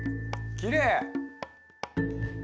きれい！